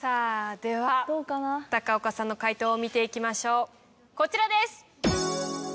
では高岡さんの解答を見ていきましょうこちらです。